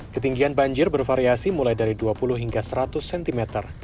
ketinggian banjir bervariasi mulai dari dua puluh hingga seratus cm